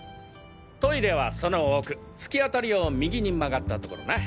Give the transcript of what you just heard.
トイレはその奥突き当たりを右に曲がったところな。